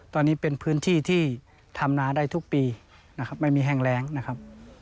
ตอนนี้เป็นพื้นที่ที่ทำนาได้ทุกปีนะครับไม่มีแห้งแรงนะครับ